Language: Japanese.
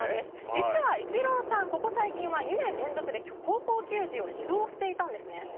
実はイチローさんここ最近は２年連続で高校球児を指導していたんですね。